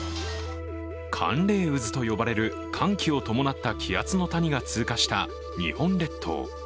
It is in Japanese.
寒冷渦と呼ばれる寒気を伴った気圧の谷が通過した、日本列島。